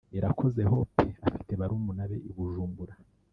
Irakoze Hope afite barumuna be i Bujumbura